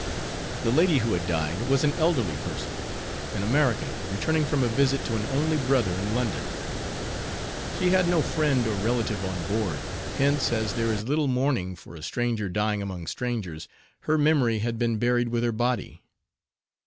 The lady who had died, was an elderly person, an American, returning from a visit to an only brother in London. She had no friend or relative on board, hence, as there is little mourning for a stranger dying among strangers, her memory had been buried with her body.